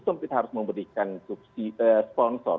sempit harus memberikan sponsor